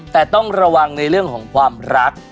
แต่ต้องระวังในเรื่องของความรัก